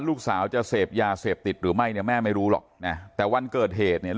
ลูกสาวจะเสพยาเสพติดหรือไม่เนี่ยแม่ไม่รู้หรอกนะแต่วันเกิดเหตุเนี่ย